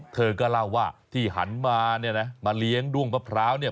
เธอก็เล่าว่าที่หันมาเนี่ยนะมาเลี้ยงด้วงมะพร้าวเนี่ย